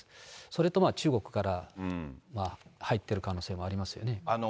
それとまあ、中国から入ってる可能性もありますよね。